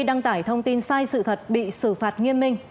đăng tải thông tin sai sự thật bị xử phạt nghiêm minh